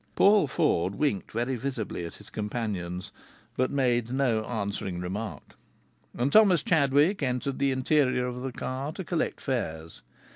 Paul Ford winked very visibly at his companions, but made no answering remark. And Thomas Chadwick entered the interior of the car to collect fares.